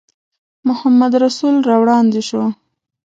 محمدرسول را وړاندې شو.